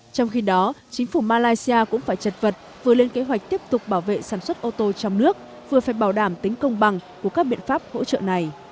trong khi đó chính phủ malaysia cũng phải chật vật vừa lên kế hoạch tiếp tục bảo vệ sản xuất ô tô trong nước vừa phải bảo đảm tính công bằng của các biện pháp hỗ trợ này